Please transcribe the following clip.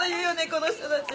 この人たち。